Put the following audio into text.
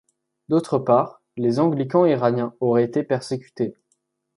D'autre part, les anglicans iraniens auraient été persécutés.